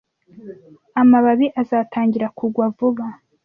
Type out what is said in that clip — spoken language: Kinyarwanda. Amababi azatangira kugwa vuba.